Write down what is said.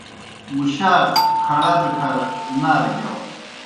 مُشاک کھڑہ دہ کھر نارہ گِیاؤ۔